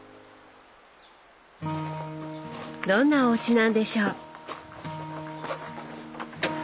どんなおうちなんでしょう？